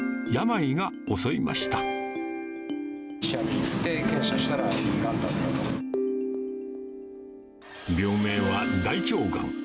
医者に行って検査したらがん病名は、大腸がん。